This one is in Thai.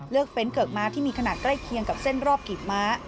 เฟ้นเกือกม้าที่มีขนาดใกล้เคียงกับเส้นรอบกีบม้า